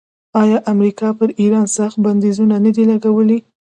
آیا امریکا پر ایران سخت بندیزونه نه دي لګولي؟